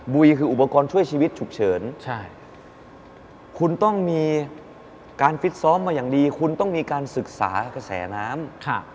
ยคืออุปกรณ์ช่วยชีวิตฉุกเฉินคุณต้องมีการฟิตซ้อมมาอย่างดีคุณต้องมีการศึกษากระแสน้ำ